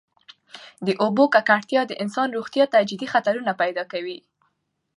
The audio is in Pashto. د اوبو ککړتیا د انسان روغتیا ته جدي خطرونه پیدا کوي.